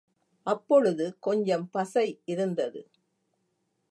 அப்பொழுது கொஞ்சம் பசை இருந்தது.